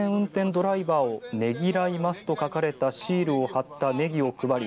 ドライバーをネギらいますと書かれたシールを貼ったネギを配り